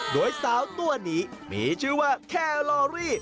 โดยสาวตัวนี้มีชื่อว่าแคลอรี่